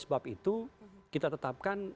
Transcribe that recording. sebab itu kita tetapkan